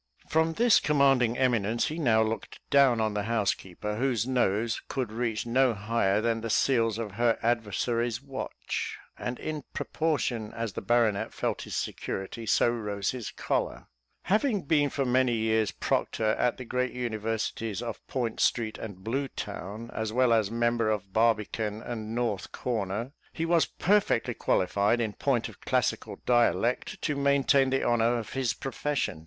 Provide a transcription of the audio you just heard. From this commanding eminence he now looked down on the housekeeper, whose nose could reach no higher than the seals of her adversary's watch; and in proportion as the baronet felt his security, so rose his choler. Having been for many years Proctor at the great universities of Point street and Blue town, as well as member of Barbican and North Corner, he was perfectly qualified, in point of classical dialect, to maintain the honour of his profession.